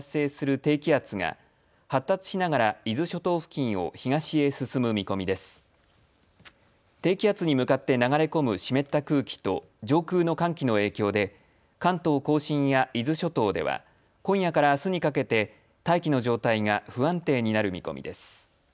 低気圧に向かって流れ込む湿った空気と上空の寒気の影響で関東甲信や伊豆諸島では今夜からあすにかけて大気の状態が不安定になる見込みです。